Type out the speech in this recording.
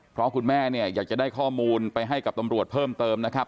เพราะคุณแม่เนี่ยอยากจะได้ข้อมูลไปให้กับตำรวจเพิ่มเติมนะครับ